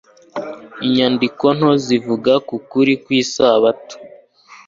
inyandiko nto zivuga ku kuri kw'Isabato